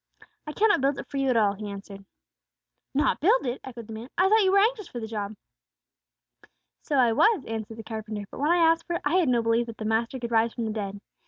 "I cannot build it for you at all," he answered. "Not build it!" echoed the man. "I thought you were anxious for the job." "So I was," answered the carpenter; "but when I asked for it, I had no belief that the Master could rise from the dead.